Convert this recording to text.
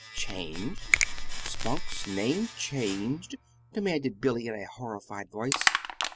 "Changed? Spunk's name changed?" demanded Billy, in a horrified voice.